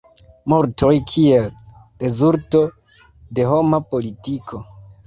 Mortoj kiel rezulto de homa politiko.